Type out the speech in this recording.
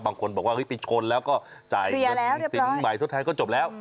บางคนบอกว่าปิดคนแล้วก็จ่ายสินใหม่สุดท้ายก็จบแล้ว